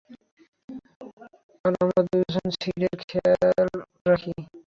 আর আমরা দুজন সিডের খেয়াল রাখি।